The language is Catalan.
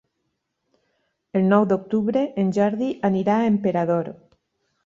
El nou d'octubre en Jordi anirà a Emperador.